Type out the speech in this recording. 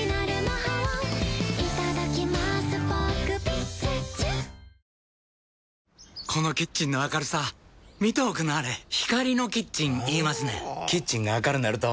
リスクケアの「ピュオーラ」クリームハミガキこのキッチンの明るさ見ておくんなはれ光のキッチン言いますねんほぉキッチンが明るなると・・・